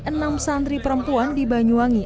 enam santri perempuan di banyuwangi